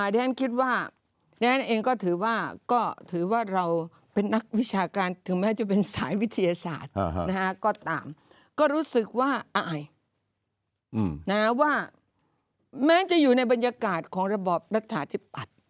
ท่านคิดว่าท่านเองก็ถือว่าเราเป็นนักวิชาการถึงแม้จะเป็นสายวิทยาศาสตร์นะฮะก็ตามก็รู้สึกว่าอ่ายนะฮะว่าแม้จะอยู่ในบรรยากาศของระบบรักษาที่ปัด